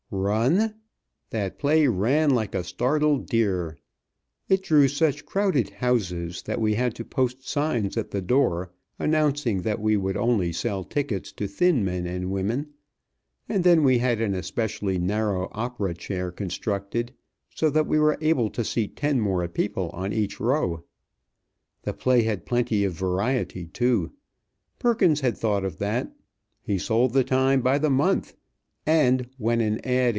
Run? That play ran like a startled deer I It drew such crowded houses that we had to post signs at the door announcing that we would only sell tickets to thin men and women; and then we had an especially narrow opera chair constructed, so that we were able to seat ten more people on each row. The play had plenty of variety, too. Perkins had thought of that. He sold the time by the month; and, when an ad.